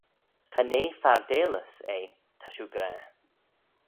Cha nee fardailys eh ta shiu gra.